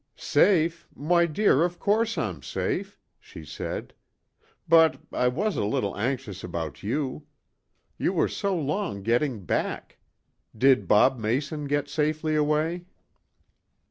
"Safe? Why, dear, of course I'm safe," she said. "But I was a little anxious about you. You were so long getting back. Did Bob Mason get safely away?"